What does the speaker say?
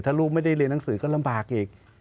ถ้าลูกไม่ได้เรียนหนังสือก็ลำบากอีก